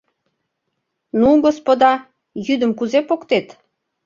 — Ну, господа, йӱдым кузе поктет?